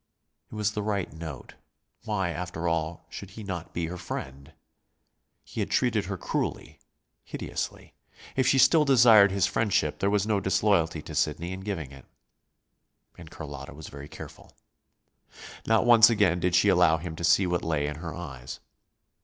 It was the right note. Why, after all, should he not be her friend? He had treated her cruelly, hideously. If she still desired his friendship, there was no disloyalty to Sidney in giving it. And Carlotta was very careful. Not once again did she allow him to see what lay in her eyes.